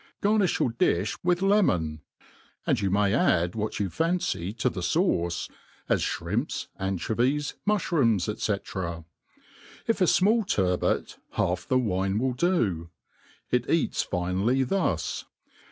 Qarnilh your difli widi lemon ; and you may add what you fancy tb (he fauce, as fbrimpa, anchovies, mufltrooms, &c; If a fmall turbot, half the wine will do. It eats finely thus.